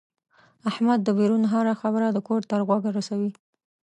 احمد دبیرون هره خبره د کور تر غوږه رسوي.